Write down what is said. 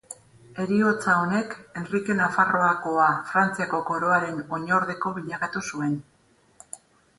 Heriotza honek Henrike Nafarroakoa Frantziako koroaren oinordeko bilakatu zuen.